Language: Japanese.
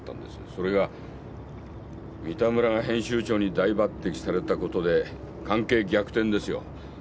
それが三田村が編集長に大抜てきされたことで関係逆転ですよ。